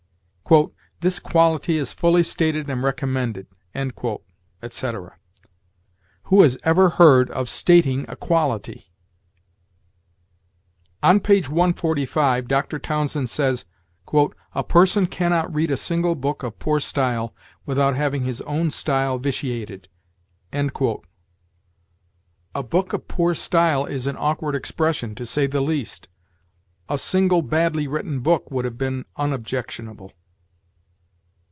"This quality is fully stated and recommended," etc. Who has ever heard of stating a quality? On page 145 Dr. Townsend says: "A person can not read a single book of poor style without having his own style vitiated." A book of poor style is an awkward expression, to say the least. A single badly written book would have been unobjectionable.